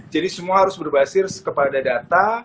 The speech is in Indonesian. jadi semua harus berbasis kepada data